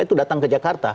itu datang ke jakarta